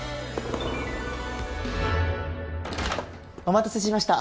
お待たせしました。